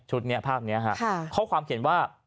นี้ภาพนี้ข้อความเขียนว่า